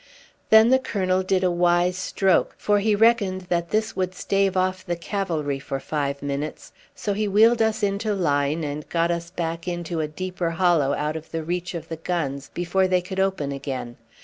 Then the colonel did a wise stroke; for he reckoned that this would stave off the cavalry for five minutes, so he wheeled us into line, and got us back into a deeper hollow out of reach of the guns before they could open again.